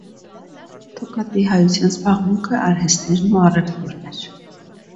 Թոկատի հայությա զբաղմունքը արհեստներն ու առևտուրն էր։